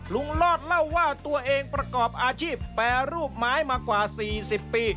ลอดเล่าว่าตัวเองประกอบอาชีพแปรรูปไม้มากว่า๔๐ปี